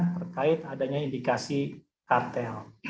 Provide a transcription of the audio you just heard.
terkait adanya indikasi kartel